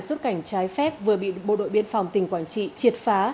xuất cảnh trái phép vừa bị bộ đội biên phòng tỉnh quảng trị triệt phá